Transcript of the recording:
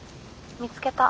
見つけた。